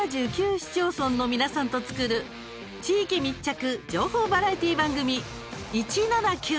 市町村の皆さんと作る地域密着、情報バラエティー番組「１７９」。